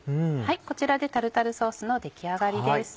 こちらでタルタルソースの出来上がりです。